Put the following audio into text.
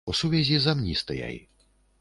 У сувязі з амністыяй.